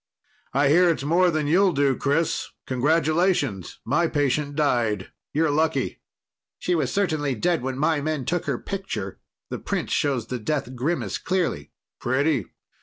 "I hear it's more than you'll do, Chris. Congratulations! My patient died. You're lucky." "She was certainly dead when my men took her picture. The print shows the death grimace clearly." "Pretty.